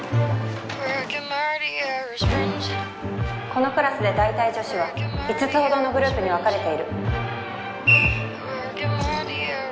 このクラスで大体女子は五つほどのグループに分かれている。